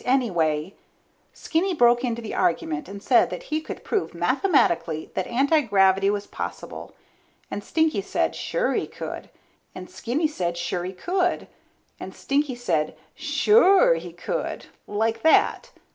Anyway, Skinny broke into the argument and said that he could prove mathematically that antigravity was possible, and Stinky said suure he could, and Skinny said sure he could, and Stinky said suuure he could, like that.